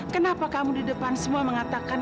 kenapa kamu di depan semua mengatakan